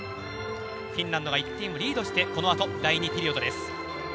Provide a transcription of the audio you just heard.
フィンランドが１点をリードしてこのあと第２ピリオドです。